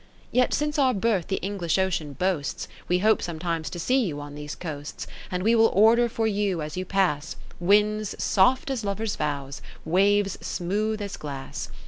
V Yetsince our birth the English Ocean boasts. We hope sometimes to see you on these coasts. And we will order for you as you pass, Winds soft as lovers' vows, waves smooth as glass.